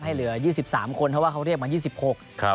ให้เหลือ๒๓คนเพราะว่าเค้าเรียกมา๒๖